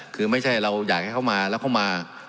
คือไม่ใช่เราอยากให้เขามาแล้วเขามา